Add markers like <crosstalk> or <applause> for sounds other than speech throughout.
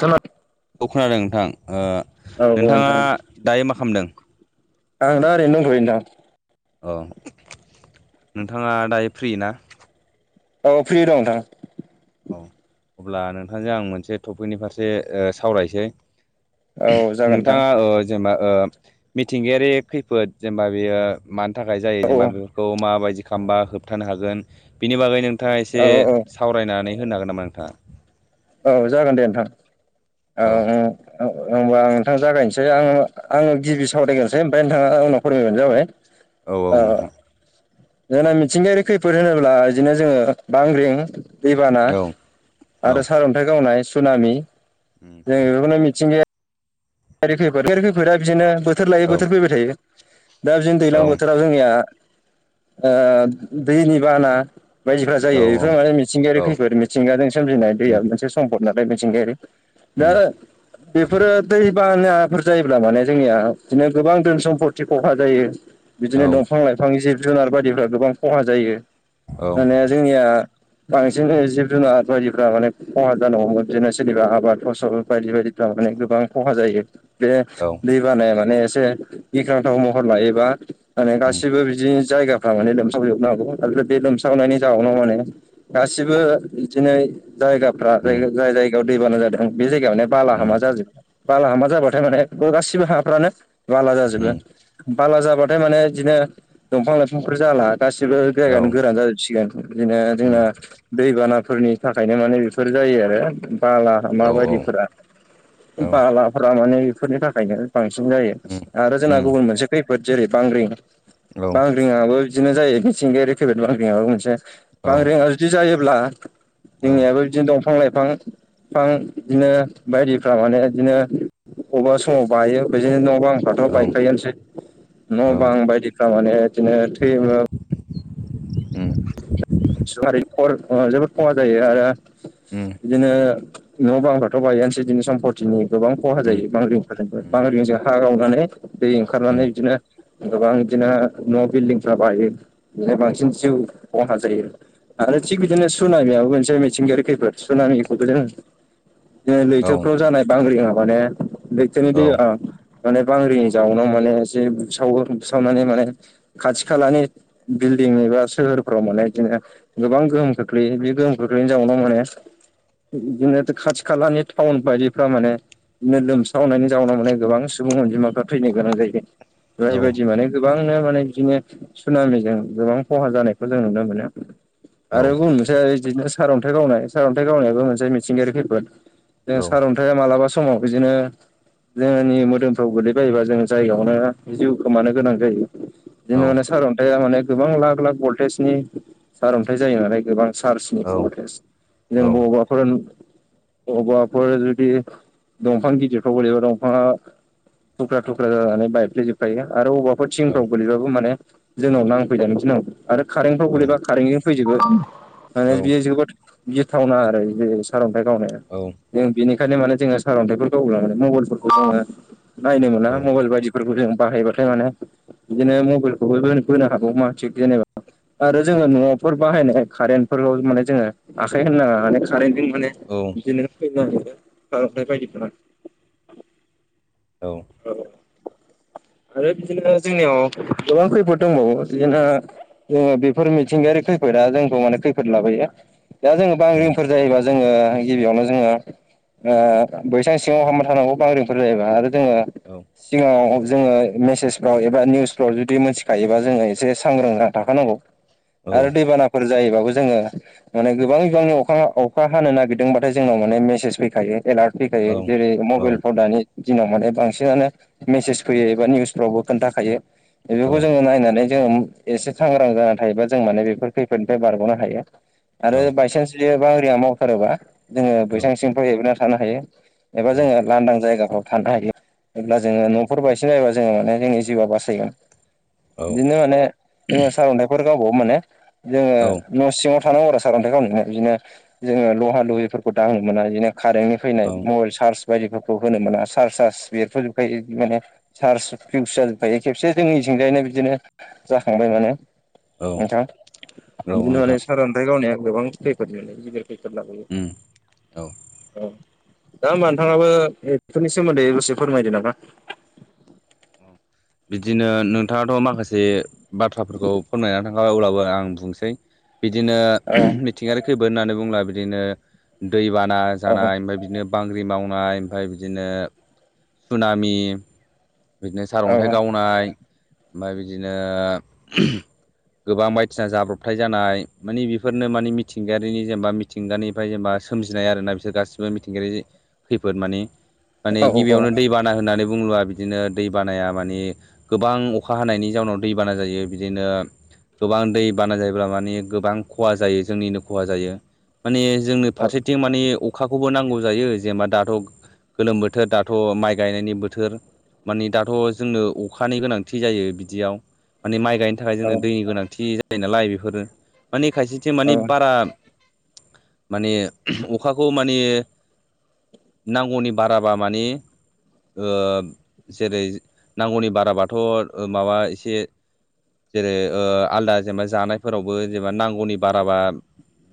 जोन औ खोनादों नोंथां औ औ नोंथां नोंथाङा दायो मा खालामदों आं दा रै दंथैनोदां औ नोंथाङा दायो फ्रि ना? औ फ्रि दं नोंथां। औ अब्ला नोंथांजों आं मोनसे टपिकनि फारसे सावरायसै। औ जागोन नोंथां नोंथाङा ओ जेनेबा ओ मिथिंगायारि खैफोद जेनेबा बेयो मानि थाखाय जायो औ जेनेबा बेफोरखौ माबायदि खालामबा होबथानो हागोन बिनि बागै नोंथाङा एसे औ औ सावरायनानै होनो हागोन नामा नोंथाङा? औ जागोन दे नोंथां औ औ होनबा आं नोंथां जागायनोसै आङो आङो गिबि सावरायग्रोसै ओमफ्राय नोंथाङा उनाव फोरमायबानो जाबाय। औ जोंना मिथिंगायारि खैफोद होनोब्ला बिदिनो जोङो बांग्रिं दैबाना औ आरो सारन्थाइ गावनाय सुनामि उम जों बेखौनो मिथिंगाया खेर खैफोद खेर खैफोदा बिदिनो बोथोर लायो औ बोथोर फैबाय थायो। दा बिनो औ दैज्लां बोथोराव जोंनिया ओ दैनि बाना बायदिफ्रा औ जायो बेफोर माने मिथिंगायारि औ फैफोर मिथिंगाजों सोमजिनाय उम दैया मोनसे सम्फद नालाय मिथिंगायारि दा उम बेफोरो दै बानाफोर जायोब्ला माने जोंनिया बिदिनो गोबां धोन सम्पत खहा जायो। औ बिदिनो दंफां लाइफां जिब जुनार बायदिफ्रा गोबां खहा जायो माने जोंनिया बांसिन जिब जुनार बायदिफ्रा माने खहा जान हौमोन बिदिनो सोरनिबा आबाद फसल बायदि बायदि थारमाने गोबां खहा जायो बेनो औ दै बानाया माने एसे गिख्रांथाव महर लायोबा माने उम गासिबो बिदिनो जायगाफ्रा माने लोमसावजोबनो हांगौ आरो बे लोमसावनायनि जाहोननाव माने गासिबो दिनै जायगा उम जाय जायगायाव दैबाना जादों बे जायगायावनो बाला उम हामा जाजो बाला हामा जाबाथाय माने गासिबो हाफ्रानो बाला उम जाजोबो। बाला जाबाथाय माने बिदिनो दंफां लाइफांफोर जाला गासिबो औ जायगायानो उम गोरान जाजोबसिगोन बिदिनो जोंना दैबानाफोरनि थाखायनो माने बेफोर जायो आरो बालाहामा औ बायदिफोरा। औ बालाहामा माने बेफोरनि थाखायनो बांसिन जायो उम आरो जोंना उम गुबुन मोनसे खैफोद जेरै बांग्रिं औ बांग्रिंआबो बिदिनो जायो मिथिंगायारि खैफोद बांग्रिंआबो मोनसे। औ बांग्रिङा जुदि जायोब्ला औ जोंनियाबो बिदिनो दंफां लाइफां बिफां बिदिनो बायदिफ्रा मानेर बिदिनो बबेबा समाव बायो बिदिनो न'बां फ्रा न' औ बायखायोसै न' औ बां बायदिफ माने बिदिनो थै <inaudible> जोबोद खहा जायो आरो। ओम बिदिनो न' बां फोरखौथ' बायानोसै बिनै सम्पतिनि गोबां खहा उम जायो बांगलिफोरजोंबो उम बांगलिजों हा गावनानै दै ओंखारनानै उम बिदिनो गोबां बिदिनो न' बिल्डिंफ्रा बायो बि बांसिन जिउ खहा जायो आरो थिग बिदिनो सनामियाबो मोनसे मिथिंगायारि खैफद सनाामिखौबो जों औ लैथोफ्राव जानाय बांग्रि माने लैथोनि दै औ औ माने बांरि जाउनाव माने एसे बुसावो बुसावनानै माने खाथि खालानि बिल्डिं एबा सोहोर माने बिदिनो गोबां गोहोम खोख्लैयो बे गोहोम खोख्लैनि जाउावनो माने बिदिनो खाथि खालानि टाउन बायदिफ्रा माने बिदिनो लोमसावनायनि जाउनाव मे गोबां सुबुं अनजिमाफोरा्रा थैनो गोनां जायो। बे औ बायदि माने गोबांनो माने बिदिनो सुनामिजों गोबां खहा जानाय जों नुनो मोनो औ आरो बुं मोनसै बिदिनो सारन्थाइ गावनाय सारअन्थाइ गावनायाबो मोनसे मिथिंगायारि खैफोद ज सारन्थाइ ओम मालाबा समाव बिदिनो जोंनि मोदोमफ्राव गोगलैबायोबा जों जायगायावनो जिउ खोमानो गोनां जायो। बिदिनो माने सारअन्थायाइया माने गोबां लाख लाख भलटेजनि सारअन्थाइ जायो नालाय गोबां सार्चनि औ जों बबेबा फोर औबाफोर जुदि दंफां गिदिरफ्राव गोलैबा दंफाङा थुख्रा थुख्रा जानानै बायफ्लेजोबखायो आरो अबा थिंफ्राव गोगलैबाबो माने जोंनाव नांफैदेरनो गिनांगौ आरो कारेन्टफ्राव गोगलैबा कारेन्टनि फैजोबो माने बियो जोबोद बियो थावना आरो बे सारअन्थाइ गावनाया औ जों बेनिखायनो माने जोङो सारअन्थाइफोरखौब्ला माने मबाइलफोरखौ जोङो नायनो मोना मबाइल बायदि फोर जों बाहायबाथाय माने बिदिनो मबाइलखौबो बोनो हागौ मा थिग जेनेबा आरो जोङो न'फोर बाहायनाय कारेन्ट फोरफोरखौ माने जोङो आखाय होन नाङा माने कारेन्टजों माने औ बिदिनो फैनो नागिरो खारनाय बायदिमोन औ। औ आरो बिदिनो जोंनियाव गोबां खैफोद दंबावो जोंना जोङो बेफोर मिथिंगायारि खैफोदा जोंखौ माने खैफोद लाबोयो दा जोङो बांग्रिंफोर जायोैबा जोङो गिबियावनो जोङो ओ बैसां सिङाव हामना थानांगौ बांग्रिंफोर जायोबा आरो जोङो औ। सिगाङाव जोङो मेसेजफ्राव एबा निउसफ्राव जुदि मोनथिखायोबा जोङो एसे सांग्रां जा थाखानांगौ आरो दैबानाफोर जायोबाबो जोङो माने गोबां बिबांनि अखा अखा हानो नागिरदोंबाथाय जोंनाव माने मेसेज फैखायो एलार्ट फैखायो जेरै मबाइलफ्राव दानि दिनाव माने बांसिनानो मेसेज फैयो एबा निउसफ्रावबो खोन्थाखायो बेफोरखौ जोङो नायनानै जोङो एसे सांग्रां जाना थायोबा जों माने बेफोर खैफोदनिफ्राय बारग'नो हायो आरो बायसान्स जुदिबिया मावथारोबा जोङो बैसां सिंफ्राय एना थानो हायो। एबा जोङो लांदां जायगाफ्राव थानो हायो अब्ला जोङो न' नफोर बायसिन हायोबा जोङो माने जोंनि जिउआ बासायगोन बिदिनो माने जोङो सारअन्थाइफोर गावबावो माने जोङो न' सिङाव थानांगौ आरो सारन्थाइखौावनो बिदिनो जोङो लहा लुहिफोरखौ दांनो मोना बिदिनो कारेन्टनि फैनाय मबाइल चार्ज बायदिफोरखौ होनो मोना चार्ज सार्स बेरफ'जोबखायो माने चार्ज फिउस जोबायो खेबसे जोंनिथिंजायैनो बिदिनो जाखांबाय माने आथादिनो माने नोंथां सन ग गावनाय गोबां खैफोद मोन गिदिर खैफद लाबोयो। उम औ औ दा होमबा नोंथाङाबो एफोरनि सोमोन्दै दसो फोरमायदो नामा? औ बिदिनो नोंथाङाथ' माखासे बाथ्राफोरखौ फोरमायनानै थांखाबाय अब्लाबो आं बुंनोसै। बिदिनो औ मिथिंगायारि खैफोद होननानै बुंला बिदिनो दैबाना औ जानाय ओमफफ्राय बिदिनो बांग्रि मावनाय ओमफफ्राय बिदिनो सुनामि बिदिनो औ सारअन्थाइ औ गावनाय ओमफ्राय बिदिनो गोबां बायदिसिना जाब्रबथाय जानाय मानि बेफोरनो मानिे मिथिंगायारिनि जेनेबा। मिथिंगानिफ्राय जेनेबा सोमजिनाय आरोना बिसोर गासिबो मिथिंगायारि खैफोद माने। माने औ औ गिबियावनो दैबाना होननानै बुंबा बिदिनो दै बानाया मानि गोबां अखा हानायनि जाउनाव दैबाना जायो बिदिनो गोबां दै बाना जायोब्ला मानिे गोबां खहा जायो जोंनिनो खहा जायो। माने जोंनो फारसेथिं माने अखाखौबो नांगौ जायो जेनेबा दाथ' गोलोम बोथोर दाथ' माइ गायनायनि बोथोर। मानि दाथ' जोंनो अखानि गोनांथि जायो बिदियाव माने माइ गायनो नि थाखाय औ जोंनो दैनि गोनांथि जायो नालाय बेफोरो मानिे खायसेथिं मानि बारा माने अखाखौ माने नांगौनि बाराबा मानि जेरै नांगौनि बाराबाथ' माबा एसे जेरै आलदा जेनेबा जानायफोरावबो जेनेबा नांगौनि बाराबा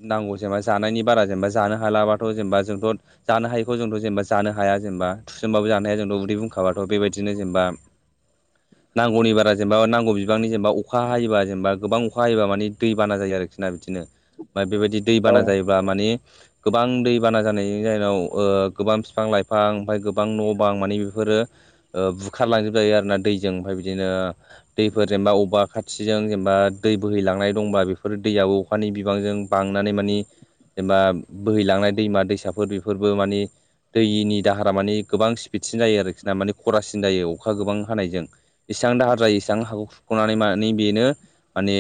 नांगौ जेनेबा जानायनि बारा जेनबा जानो हालाबाथ' जेनेबा जोंथ' जानो हायखौ जोंथ' जेनेबा ज हाया जेनबा थुसुमबाब ज हाया जोंथ' उदै बुंखाबा आरो। थ' बेबायदिनो जेनेबा नांगौनि बारा जेनेबा नांगौ बिबांनि जेनेबा अखा हायोबा जेनेबा गोबां अखा हायोबा मानि दै बाना जायो आरोखि ना बिदिनो। फ्राय बेबायदि औ दैबाना जायोब्ला मानि गोबां दैबाना जानायनि जाहोनाव गोबां बिफां लाइफां ओमफ्राय गोबां न' बां मानि बेफोरो बुखारलांजोबजायो आरो ना दैजों ओमफ्राय बिदिनो दैफोर जेनेबा बबेबा खाथिजों जेनेबा दै बोहैलांनाय दंबा बेफोर दैयाव बिफानि बिबांजों बांनानै मानि जेनेबा बोहैलांनाय दैमा दैसाफोर बेफोरबो मानि दैनि दाहारा माने गोबां स्पिडसिन जायो आरोखि ना माने खरासिन जायो अखा गोबां हानायजों इसेबां दाहार जायो इसबां हाखखौ खुख'नानै माने बेनो माने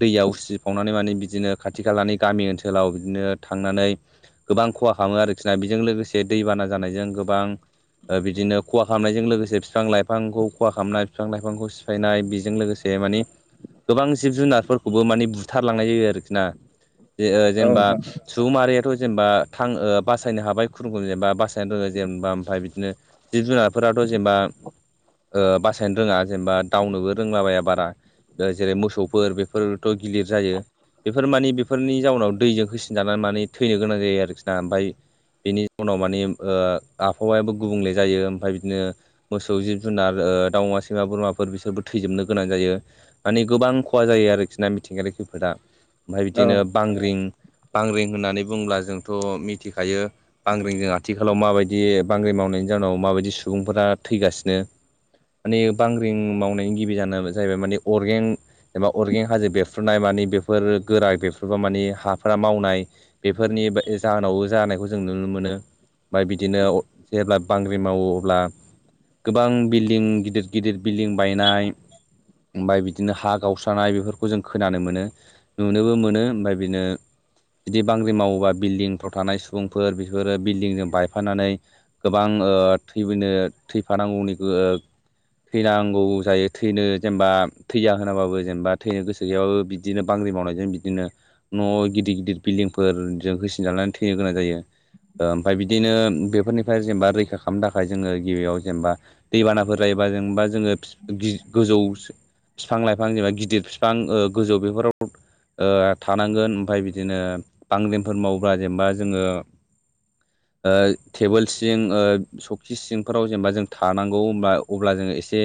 दैया उसिफावनानै माने बिदिनो खाथि खालानि गामि ओनसोलाव बिदिनो थांनानै गोबां खहा खालामो आरोखि ना बेजों लोगोसे दैबाना जानायजों गोबां बिदिनो खहा खालामनायजों लोगोसे बििफां लाइफांखौ खहा खालामनाय बिफां लाइफांखौ सिफायनाय बेजों लोगोसे मानि गोबां जिब जुनारफोरखौबो माने बुथारलांनाय जायो आरोखि ना ज औ जेनेबा नोंथां सुबुंरियाथ' जेनेबा थां बासायनो हाबाय खुरुमखुम जेनेबा बास दङ जेनेबा ओमफ्राय बिदिनो जिब जुनारफोराथ' जेनेबा। बासायनो रोङा जेनेबा दावनोबो रोंलाबाया बारा जेरै मोसौफोर बेफोरथ' गिलिर जायो बेफोर मानि बेफोरनि जाउनाव दैजों होसिनजानानै माने थैनो गोनां जायो आरोखि ना ओमफ्राय बेनि उनाव मानिे आबहावायाबो गुबुंले जायो ओमफ्राय। बिदिनो मोसौ जिब जुनार दाउमा सैमा बोरमाफोर बिसोरबो थैजोबनो गोनां जायो। माने गोबां खहा जायो आरोखि ना मिथिंगायारि खैफोदा ओमफफ्राय बिदिनो औ बांग्रिं बांग्रिं होननानै बुंला जोंथ' मिथिखायो बांग्रजों आथिखालाव माबायदि बांग्र मावनायनि जाउनाव माबायदि सुबुंफोरा थैगासिनो माने बांग्रिं मावनायनि गिबि जानो जाहैबाय मानिे अर्गें जेनेबा अर्गेंक हाजो बेरफ्रुनाय मानि बेफोर गोरा बेरफ्रुबा मान हाफोरा मावनाय बेफोरनि जाहोनावबो जानायखौ जों नुनो मोनो ओमफ्राय बिदिनो जेब्ला बांग्रि मावो अब्ला गोबां बिल्डिं गिदिर गिदिर बिल्डिं बायनाय ओमफफ्राय बिदिनो हा गावस्रानाय बेफोरखौ जों खोनानो मोनो नुनोबो मोनो ओमफ्राय बिनो बिदि बांग्रि मावोबा बिल्डिंफ्राव थानाय सुबुंफोर बेफोरो बिल्डिंजों बायफानानै गोबां थैोननो थैफानांगौनि थैनांगौ जायो थैनो जेनेबा थैया होनाबाबो जेनेबा थैनो गोसो गगयावबो बिदिनो बांग्रि मावनायजों बिदिनो न' गिदिर गिदिर बिल्डिंफोरजों होसिन जानानै थैनो गोनां जायो ओमफफ्राय बिदिनो बेफोरनिफ्राय जेनेबा रैखा खालामनो थाखाय जोङो गिबियाव जेनेबा दैबानाफोर जायोबा जेनेबा जोङो गोजौ बििफां लाइफां जेनेबा गिदिर फिफां गोजौ बेफोराव थानांगोन ओमफफ्राय बिदिनो बांग्रेमफोर मावोबा जेनेबा जोङो टेबोल सिं सखि सिंफोराव जेनेबा जों थानांगौ होनोमबब्ला अब्ला जोङो एसे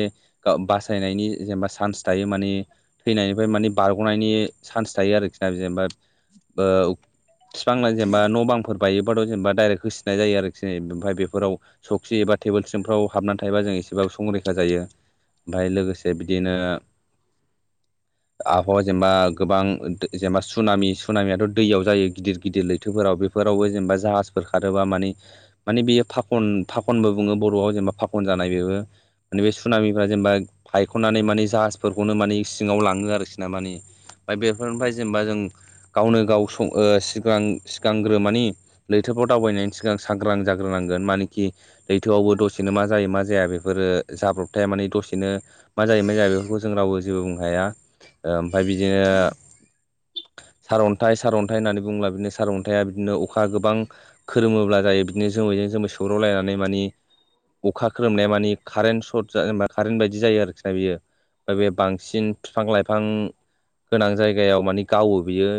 बासायनायनि जेनेबा चान्स थायो माने थैनायनिफ्राय माने बारग'नायनि सान्स थायो आरोखि ना जेनेबा ओ बिफांना जेनेबा न' बांफोर बायोबाथ' जेनेबा दडाइरेक्ट होसिनाय जायो आरोखि ओमफफ्राय बेफोराव सौखि एबा टेबोल सिंफ्राव हाबनानै थायोबा जों एसेबाबो संरैखा जायो ओमफ्राय लोगोसे बिदिनो आबहावा जेनेबा गोबां जेनेबा सुनामि सुनामियाथ' दैयाव जायो गिदिर गिदिर लैथोफोराव बे फोरावबो जेनेबा जाहाजफोर खारोबा मानि माने बेयो फाखन फाखनबो बुङो बर'आव जेनेबा फाखन जानाय बेबो माने बे सुनामिफ्रा जेनेबा फायख'ननानै माने जाहाजफोरखौनो माने सिङाव लाङो आरोखि ना माने ओमफ्राय बेफोरनिफ्राय जेनेबा जों गावनो गाव सिगां सिगांग्रो मानि लैथोफ्राव दावबायनायनि सिगां सांग्रां जाग्रोनांगोन मानि लैथोआवबो दसेनो मा जायो मा जाया बेफोरो जाब्रबथाया माने दसेनो मा जायो मा जाया बेफोरखौ जों रावबो जेबो बुंनो हाया ओ ओमफ्राय बिदिनो सारअन्थाइ सारअन्थाइ होननानै बुङोब्ला बिदिनो सारअन्थाइया बिदिनो अखा गोबां खोरोमोब्ला जायो बिदिनो जोमैजों जोमै सौग्रावलायनानै मानि अखा खोरोमनाया मानि कारेन्ट सर्ट बा कारेन्ट बायदि जायो आरोखि ना बियो ओमफ्राय बे बांसिन बिफां लाइफां गोनां जायगायाव माने गावो बियो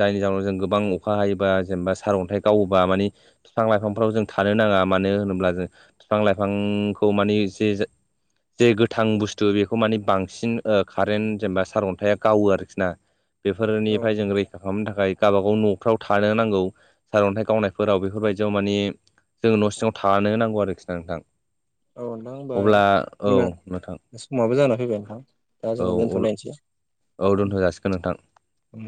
जायनि जाहोनाव जों गोबां अखा हायोबा जेनेबा सारअन्थाइ गावोबा माने बिफां लाइफांफ्राव जों था- थानो नाङा मानो होनोब्ला जों बिफां लाइफांखौ मानि जे जाय जे गोथां बुस्थु बेखौ माने बांसिन कारेन्ट जेनेबा सारअन्थाइआ गावो आरोखि ना औ बेफोरनिफ्राय जों नोंथां रैखा खा खालामनो थाखाय गावबाागाव न'फ्राव थानो नांगौ सारअन्थाइ गावनायफोराव बेफोरबायदियाव माने जों न' सिङाव थानो नांगौ आरोखि ना नोंथां औ नोंथां होमबा अब्ला औ जोंना नोंथां समाबो जानानै फैबाय नोंथां दा जों औ दोनथ'लायनोसै औ दोनथ' जासिगोन नोंथां उ